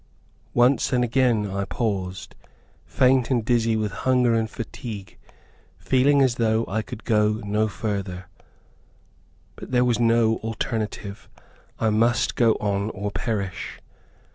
Once and again I paused, faint and dizzy with hunger and fatigue, feeling as though I could go no further. But there was no alternative. I must go on or perish.